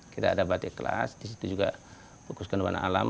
kita ada batik kelas di situ juga fokuskan warna alam